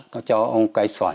có cho ông cây xoạn